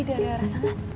aman tadi dia rasa gak